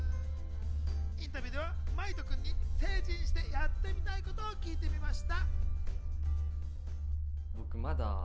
インタビューでは真威人君に成人してやってみたいことを聞いてみました。